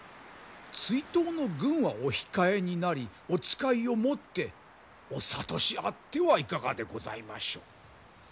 追討の軍はお控えになりお使いをもってお諭しあってはいかがでございましょう。